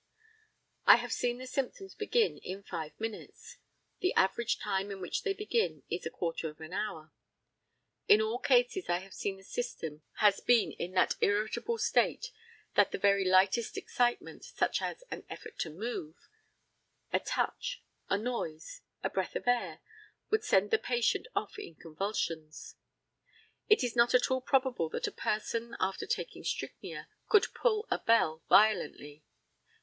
I have seen the symptoms begin in five minutes. The average time in which they begin is a quarter of an hour. In all cases I have seen the system has been in that irritable state that the very lightest excitement, such as an effort to move, a touch, a noise, a breath of air, would send the patient off in convulsions. It is not at all probable that a person, after taking strychnia, could pull a bell violently.